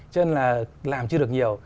cho nên là làm chưa được nhiều